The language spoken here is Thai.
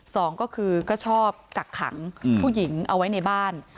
สองก็คือก็ชอบกักขังผู้หญิงเอาไว้ในบ้าน